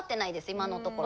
今のところ。